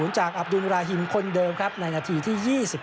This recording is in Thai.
จากอับดุลราฮิมคนเดิมครับในนาทีที่๒๙